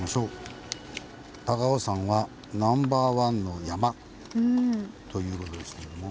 「高尾山はナンバーワンの山⁉」という事でしたけども。